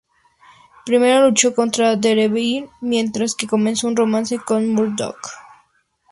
Primero luchó contra Daredevil, mientras que comenzó un romance con Murdock.